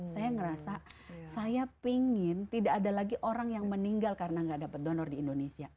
saya merasa saya pingin tidak ada lagi orang yang meninggal karena gak dapat donor di indonesia